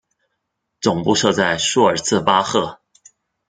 总部设在苏尔茨巴赫。